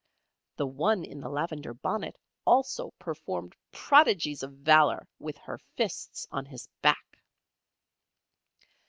The one in the lavender bonnet also performed prodigies of valour with her fists on his back.